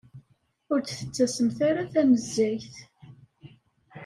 Ur d-tettasemt ara tanezzayt.